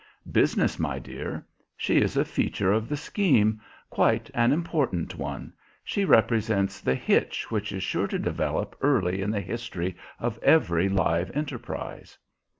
"Business, my dear. She is a feature of the scheme quite an important one. She represents the hitch which is sure to develop early in the history of every live enterprise."